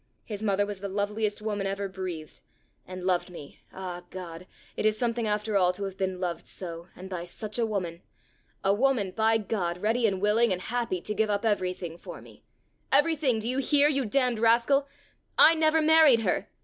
His mother was the loveliest woman ever breathed! and loved me ah, God! it is something after all to have been loved so and by such a woman! a woman, by God! ready and willing and happy to give up everything for me! Everything, do you hear, you damned rascal! I never married her!